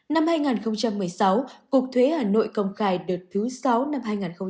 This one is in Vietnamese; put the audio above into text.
năm hai nghìn một mươi sáu cục thuế hà nội công khai đợt thứ sáu năm hai nghìn một mươi chín